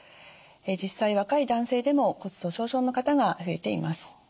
実際若い男性でも骨粗しょう症の方が増えています。